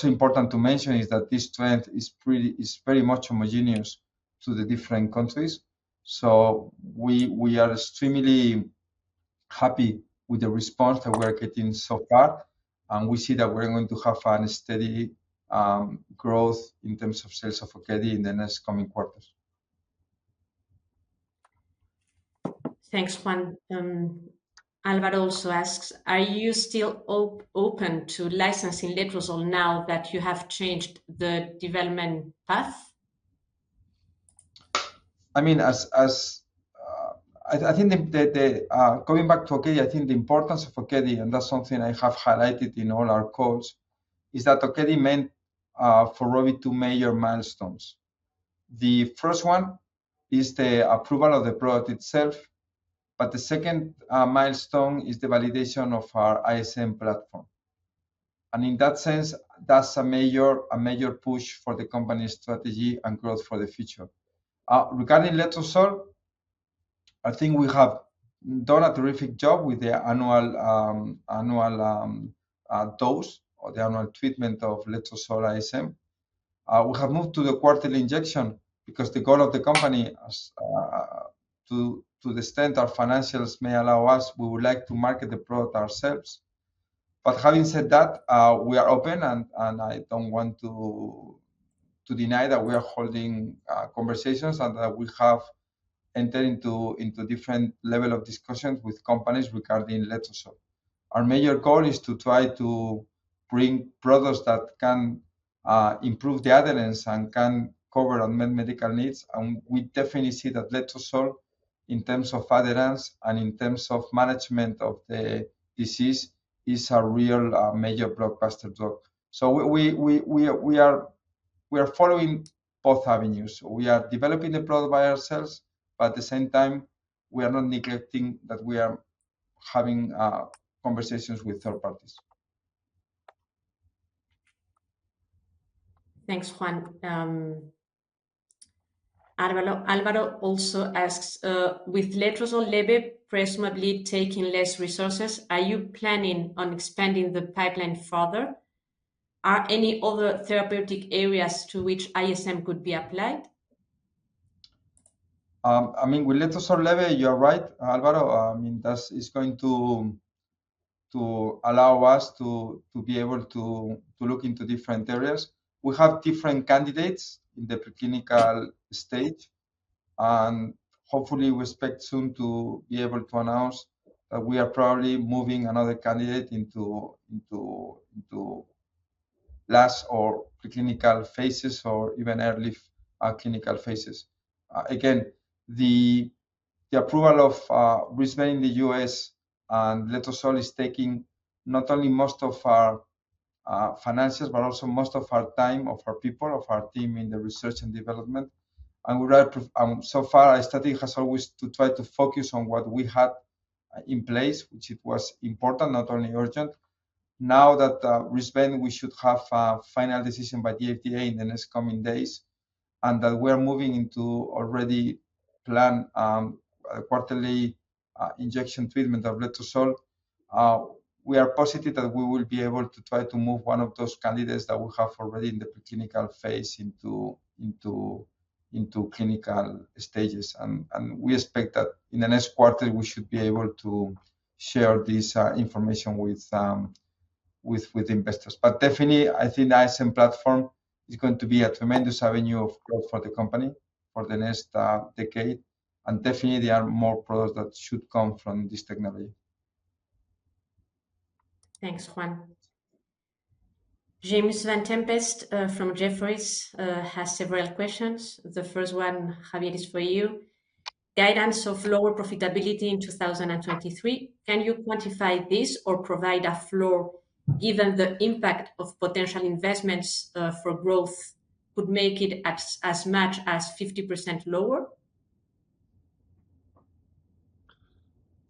Important to mention is that this trend is very much homogeneous to the different countries, we are extremely happy with the response that we are getting so far. We see that we're going to have a steady growth in terms of sales of Okedi in the next coming quarters. Thanks, Juan. Alvaro also asks, "Are you still open to licensing letrozole now that you have changed the development path? I mean, as, I think the going back to Okedi, I think the importance of Okedi, that's something I have highlighted in all our calls, is that Okedi meant for ROVI two major milestones. The first one is the approval of the product itself, but the second milestone is the validation of our ISM platform. In that sense, that's a major, a major push for the company's strategy and growth for the future. Regarding letrozole, I think we have done a terrific job with the annual annual dose or the annual treatment of Letrozole ISM. We have moved to the quarterly injection because the goal of the company as to the extent our financials may allow us, we would like to market the product ourselves. Having said that, we are open and I don't want to deny that we are holding conversations and that we have entered into different level of discussions with companies regarding letrozole. Our major goal is to try to bring products that can improve the adherence and can cover unmet medical needs. We definitely see that letrozole, in terms of adherence and in terms of management of the disease, is a real major blockbuster drug. We are following both avenues. We are developing the product by ourselves, but at the same time, we are not neglecting that we are having conversations with third parties. Thanks, Juan. Álvaro also asks, "With Letrozole LEBE presumably taking less resources, are you planning on expanding the pipeline further? Are any other therapeutic areas to which ISM could be applied? I mean, with Letrozole LEBE, you're right, Álvaro. I mean, that is going to allow us to be able to look into different areas. We have different candidates in the preclinical stage, and hopefully, we expect soon to be able to announce that we are probably moving another candidate into last or preclinical phases or even early clinical phases. Again, the approval of Risvan in the U.S. and letrozole is taking not only most of our financials, but also most of our time, of our people, of our team in the research and development. So far, our strategy has always to try to focus on what we have in place, which it was important, not only urgent. Now that Risvan, we should have a final decision by the FDA in the next coming days, and that we are moving into already plan quarterly injection treatment of letrozole. We are positive that we will be able to try to move one of those candidates that we have already in the preclinical phase into clinical stages. We expect that in the next quarter, we should be able to share this information with investors. Definitely, I think the ISM platform is going to be a tremendous avenue of growth for the company for the next decade, and definitely there are more products that should come from this technology. Thanks, Juan. James Vane-Tempest from Jefferies has several questions. The first one, Javier, is for you. "Guidance of lower profitability in 2023, can you quantify this or provide a floor, given the impact of potential investments for growth could make it as much as 50% lower?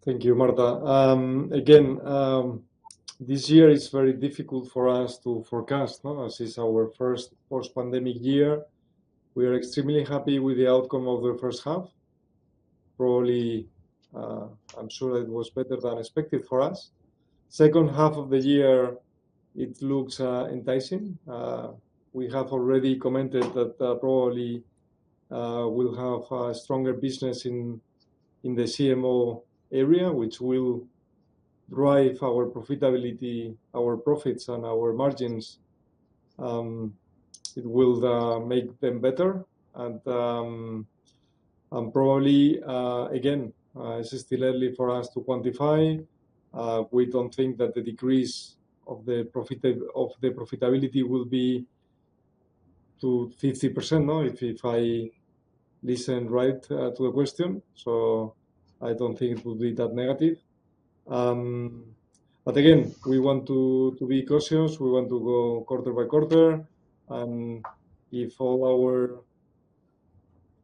Thank you, Marta. Again, this year is very difficult for us to forecast, no? As it's our first post-pandemic year. We are extremely happy with the outcome of the first half. Probably, I'm sure it was better than expected for us. Second half of the year, it looks enticing. We have already commented that, probably, we'll have a stronger business in the CMO business, which will drive our profitability, our profits, and our margins. It will make them better. Probably, again, it's still early for us to quantify. We don't think that the degrees of the profitability will be to 50%, no? If I listen right to the question, I don't think it will be that negative. Again, we want to be cautious. We want to go quarter by quarter. If all our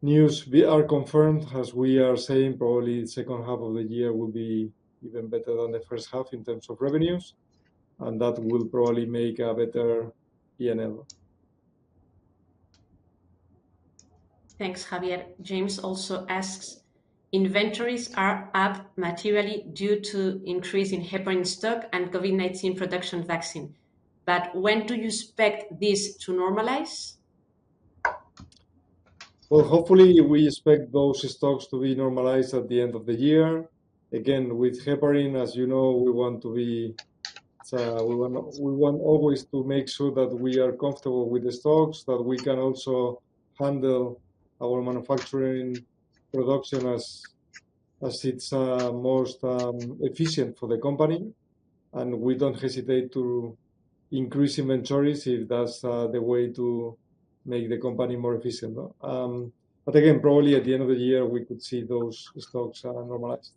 news we are confirmed, as we are saying, probably the second half of the year will be even better than the first half in terms of revenues, and that will probably make a better P&L. Thanks, Javier. James also asks: "Inventories are up materially due to increase in heparin stock and COVID-19 production vaccine, but when do you expect this to normalize? Well, hopefully, we expect those stocks to be normalized at the end of the year. Again, with heparin, as you know, we want always to make sure that we are comfortable with the stocks, that we can also handle our manufacturing production as it's most efficient for the company, and we don't hesitate to increase inventories if that's the way to make the company more efficient, no? Again, probably at the end of the year, we could see those stocks normalized.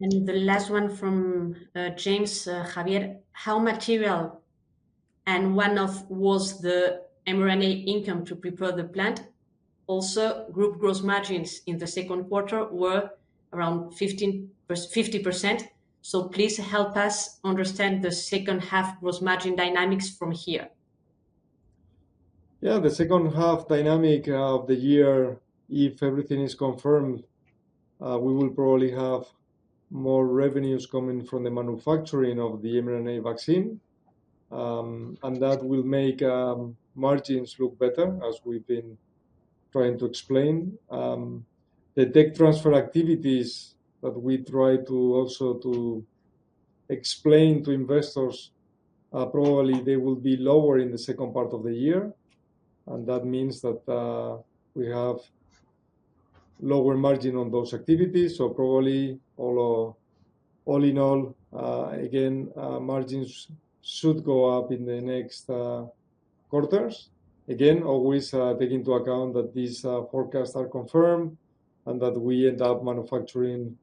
The last one from James, Javier: "How material and when was the mRNA income to prepare the plant? Group gross margins in the second quarter were around 50%, please help us understand the second half gross margin dynamics from here. Yeah, the second half dynamic of the year, if everything is confirmed, we will probably have more revenues coming from the manufacturing of the mRNA vaccine. That will make margins look better, as we've been trying to explain. The tech transfer activities that we try to also to explain to investors, probably they will be lower in the second part of the year, and that means that we have lower margin on those activities. Probably, although, all in all, again, margins should go up in the next quarters. Again, always, take into account that these forecasts are confirmed and that we end up manufacturing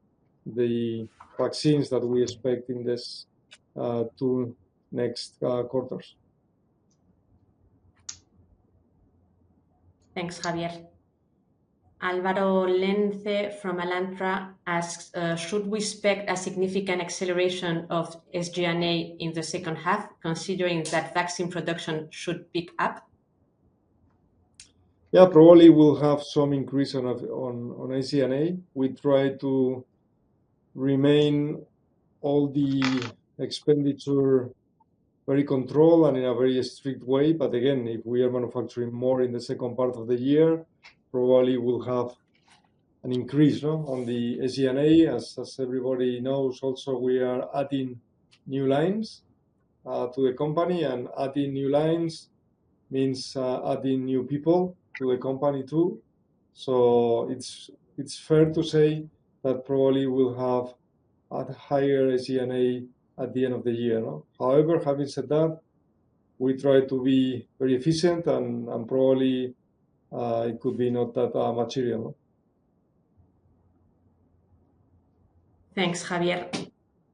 the vaccines that we expect in this two next quarters. Thanks, Javier. Álvaro Lence from Alantra asks, "Should we expect a significant acceleration of SG&A in the second half, considering that vaccine production should pick up? Yeah, probably we'll have some increase on SG&A. We try to remain all the expenditure very controlled and in a very strict way. Again, if we are manufacturing more in the second part of the year, probably we'll have an increase, no, on the SG&A. As everybody knows also, we are adding new lines to the company, and adding new lines means adding new people to the company, too. It's fair to say that probably we'll have a higher SG&A at the end of the year, no? However, having said that, we try to be very efficient, and probably it could be not that material, no? Thanks, Javier.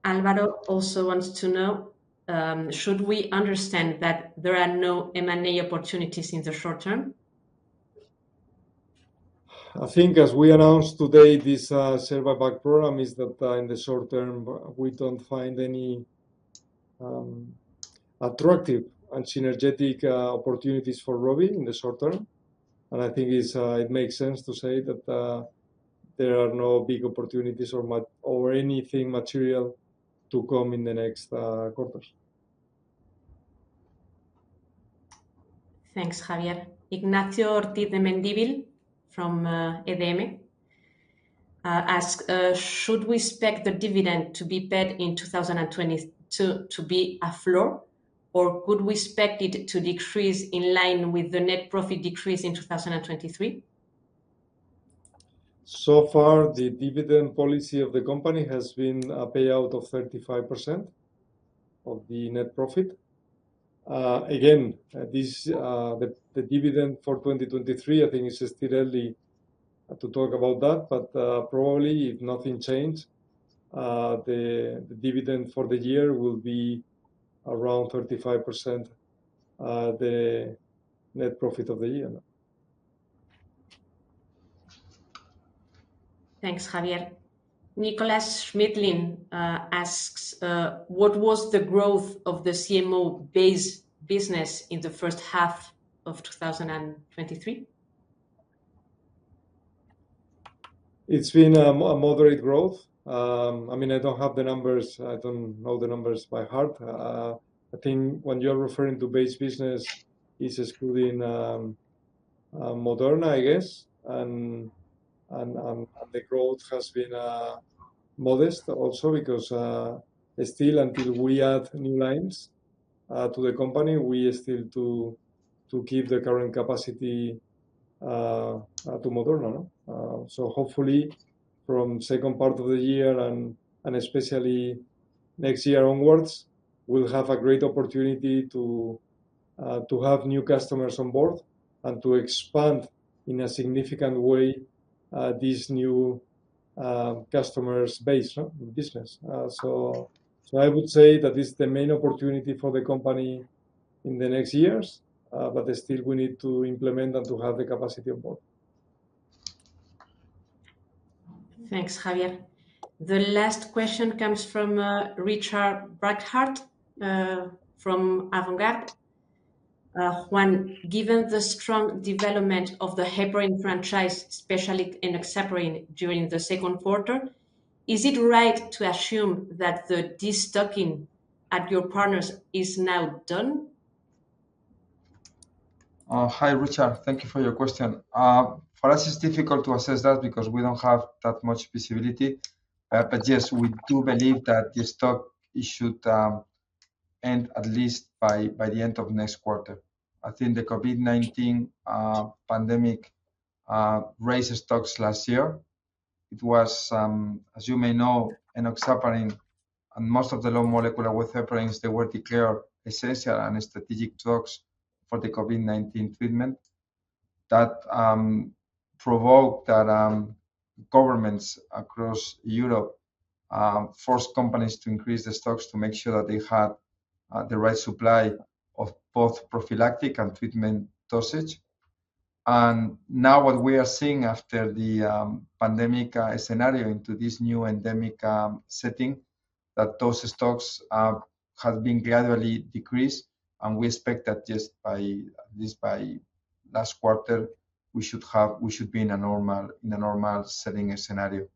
Álvaro also wants to know, should we understand that there are no M&A opportunities in the short term? I think as we announced today, this share buyback program is that, in the short term, we don't find any attractive and synergetic opportunities for ROVI in the short term. I think it's it makes sense to say that there are no big opportunities or anything material to come in the next quarters. Thanks, Javier. Ignacio Ortiz de Mendivil from EDM asks, "Should we expect the dividend to be paid in 2022 to be a floor, or could we expect it to decrease in line with the net profit decrease in 2023? So far, the dividend policy of the company has been a payout of 35% of the net profit. Again, this the dividend for 2023, I think it's still early to talk about that, but probably if nothing change, the dividend for the year will be around 35% the net profit of the year. Thanks, Javier. Nicholas Schmidlin asks, "What was the growth of the CMO base business in the first half of 2023? It's been a moderate growth. I don't have the numbers. I don't know the numbers by heart. I think when you're referring to base business, it's excluding Moderna, I guess, and the growth has been modest also because still, until we add new lines to the company, we still to give the current capacity to Moderna. Hopefully, from second part of the year and especially next year onwards, we'll have a great opportunity to have new customers on board and to expand in a significant way these new customers base in business. I would say that is the main opportunity for the company in the next years, but still we need to implement and to have the capacity on board. Thanks, Javier. The last question comes from Richard Brighart from Avantgarde. Juan, given the strong development of the heparin franchise, especially enoxaparin, during the second quarter, is it right to assume that the de-stocking at your partners is now done? Hi, Richard. Thank you for your question. For us, it's difficult to assess that because we don't have that much visibility. Yes, we do believe that the stock it should end at least by the end of next quarter. I think the COVID-19 pandemic raised stocks last year. It was, as you may know, enoxaparin and most of the low molecular weight heparins, they were declared essential and strategic drugs for the COVID-19 treatment. Governments across Europe forced companies to increase the stocks to make sure that they had the right supply of both prophylactic and treatment dosage. Now what we are seeing after the pandemic scenario into this new endemic setting, that those stocks have been gradually decreased, and we expect that just by last quarter, we should be in a normal setting scenario.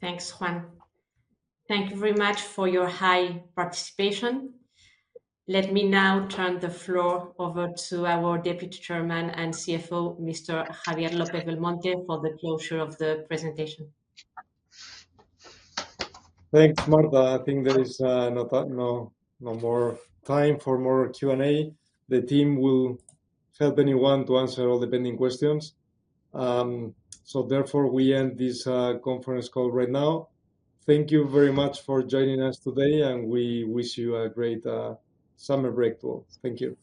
Thanks, Juan. Thank you very much for your high participation. Let me now turn the floor over to our Deputy Chairman and CFO, Mr. Javier López-Belmonte, for the closure of the presentation. Thanks, Marta. I think there is no more time for more Q&A. The team will help anyone to answer all the pending questions. Therefore, we end this conference call right now. Thank you very much for joining us today, and we wish you a great summer break too. Thank you.